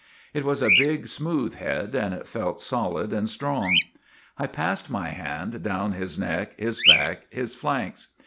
" It was a big, smooth head, and it felt solid and strong. I passed my hand down his neck, his back, his flanks.